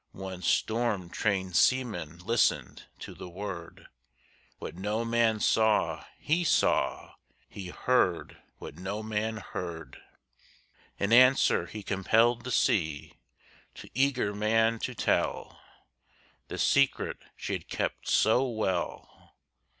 One storm trained seaman listened to the word; What no man saw he saw; he heard what no man heard. In answer he compelled the sea To eager man to tell The secret she had kept so well!